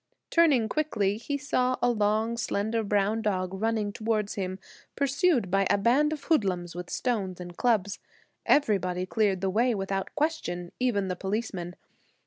Turning quickly, he saw a long, slender brown dog running toward him, pursued by a band of hoodlums with stones and clubs. Everybody cleared the way without question, even the policeman.